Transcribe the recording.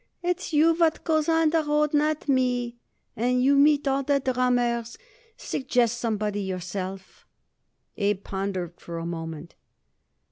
"It's you what goes on the road, not me, and you meet all the drummers. Suggest somebody yourself." Abe pondered for a moment.